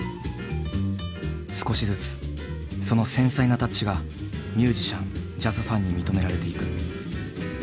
少しずつその繊細なタッチがミュージシャンジャズファンに認められていく。